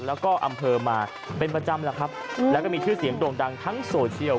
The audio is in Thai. แล้วก็อำเภอมาเป็นประจำแล้วครับแล้วก็มีชื่อเสียงโด่งดังทั้งโซเชียล